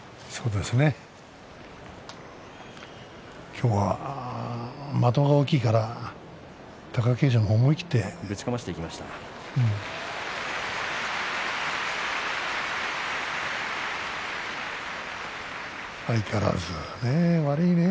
今日は的が大きいから貴景勝が思い切ってぶちかましてきましたね。